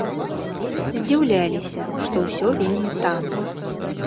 Здзіўляліся, што ўсё вельмі танна.